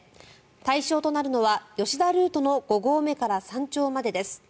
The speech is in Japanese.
対象となるのは吉田ルートの５合目から山頂までです。